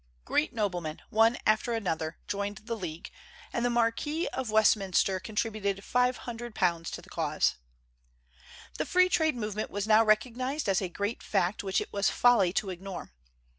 Great noblemen, one after another, joined the League, and the Marquis of Westminster contributed £500 to the cause. The free trade movement was now recognized as a great fact which it was folly to ignore.